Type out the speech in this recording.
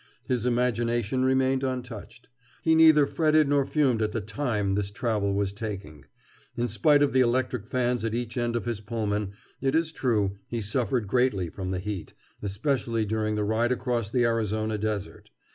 His imagination remained untouched. He neither fretted nor fumed at the time this travel was taking. In spite of the electric fans at each end of his Pullman, it is true, he suffered greatly from the heat, especially during the ride across the Arizona Desert.